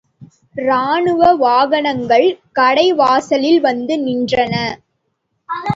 ராணுவ வாகனங்கள் கடை வாசலில் வந்து நின்றன.